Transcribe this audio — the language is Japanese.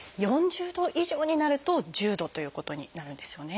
４０度以上になると「重度」ということになるんですよね。